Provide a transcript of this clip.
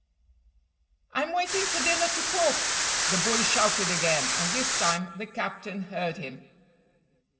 "I'm waiting for dinner to cook," the boy shouted again, and this time the captain heard him.